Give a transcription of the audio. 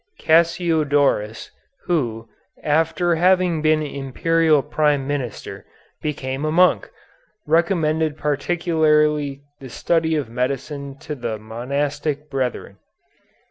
Cassiodorus, who, after having been Imperial Prime Minister, became a monk, recommended particularly the study of medicine to the monastic brethren.